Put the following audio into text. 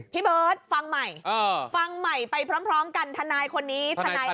พี่เบิร์ตฟังใหม่ฟังใหม่ไปพร้อมกันทนายคนนี้ทนาย